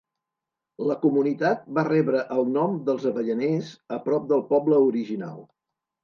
La comunitat va rebre el nom dels avellaners a prop del poble original.